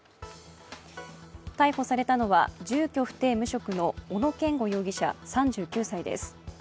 逮捕されたのは、住居不定・無職の小野健吾容疑者３９歳です。